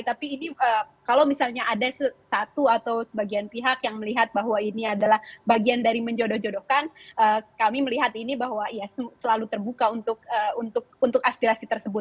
tapi ini kalau misalnya ada satu atau sebagian pihak yang melihat bahwa ini adalah bagian dari menjodoh jodohkan kami melihat ini bahwa ya selalu terbuka untuk aspirasi tersebut